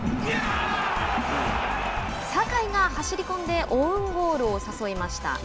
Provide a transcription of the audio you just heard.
酒井が走り込んでオウンゴールを誘いました。